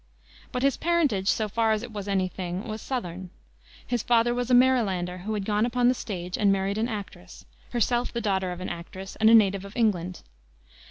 But his parentage, so far as it was any thing, was southern. His father was a Marylander who had gone upon the stage and married an actress, herself the daughter of an actress and a native of England.